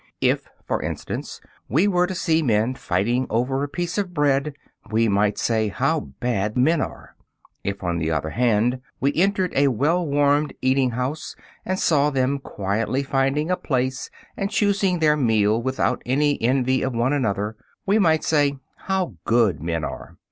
If, for instance, we were to see men fighting over a piece of bread, we might say: "How bad men are!" If, on the other hand, we entered a well warmed eating house, and saw them quietly finding a place and choosing their meal without any envy of one another, we might say: "How good men are!"